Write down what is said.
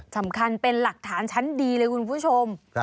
สำคัญเป็นหลักฐานชั้นดีเลยคุณผู้ชม